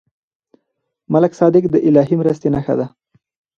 ملک صادق د الهي مرستې نښه ده.